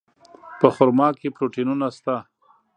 په خرما کې پروټینونه شته.